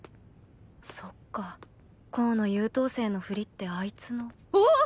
そっかコウの優等生のふりってあいつのうおっ！？